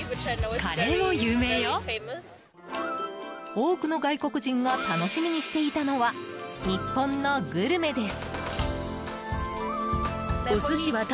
多くの外国人が楽しみにしていたのは日本のグルメです。